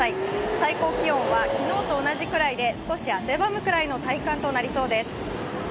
最高気温は昨日と同じぐらいで少し汗ばむくらいの体感となりそうです。